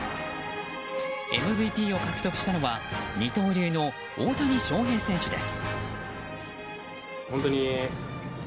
ＭＶＰを獲得したのは二刀流の大谷翔平選手です。